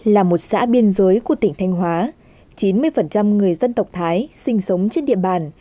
là một xã biên giới của tỉnh thanh hóa chín mươi người dân tộc thái sinh sống trên địa bàn